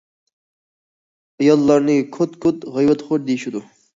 ئاياللارنى« كوت- كوت»،« غەيۋەتخور» دېيىشىدۇ.